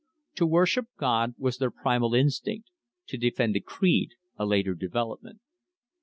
To worship God was their primal instinct; to defend creed a later development.